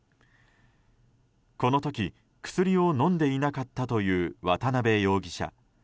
この時、薬を飲んでいなかったという渡辺容疑者。